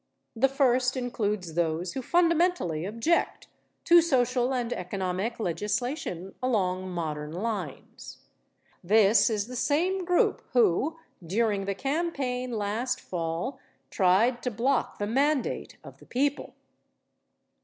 The first includes those who fundamentally object to social and economic legislation along modern lines. This is the same group who during the campaign last Fall tried to block the mandate of the people.